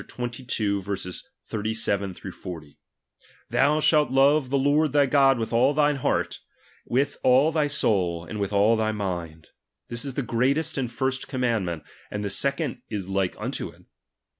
37, 38, 39, 40) : Thou shalt love the Lord thy God with all thine heart, with all thy soul, and with all thy mind ; this is the greatest and first commandment. And the second is like unto it.